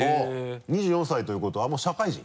２４歳ということはもう社会人？